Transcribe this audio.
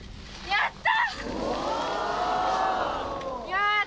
やった。